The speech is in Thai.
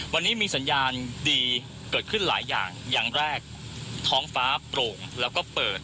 วันนี้มีสัญญาณดีเกิดขึ้นหลายอย่างอย่างแรกท้องฟ้าโปร่งแล้วก็เปิด